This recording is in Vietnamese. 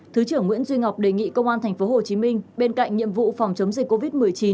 thứ trưởng nguyễn duy ngọc đề nghị công an thành phố hồ chí minh bên cạnh nhiệm vụ phòng chống dịch covid một mươi chín